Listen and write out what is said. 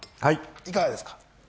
いかがですか？